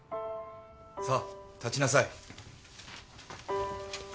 さあ立ちなさい。